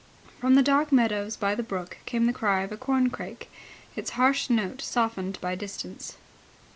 From the dark meadows by the brook came the cry of a corncrake, its harsh note softened by distance.